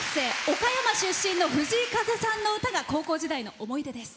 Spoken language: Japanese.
岡山県出身の藤井風さんの歌が高校時代の思い出です。